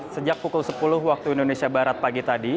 sejak pukul sepuluh waktu indonesia barat pagi tadi